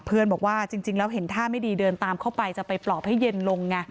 บอกว่าจริงแล้วเห็นท่าไม่ดีเดินตามเข้าไปจะไปปลอบให้เย็นลงไง